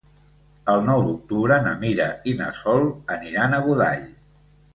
El nou d'octubre na Mira i na Sol aniran a Godall.